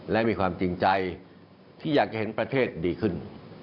และมีความจริงใจที่อยากจะเห็นประเทศดีขึ้น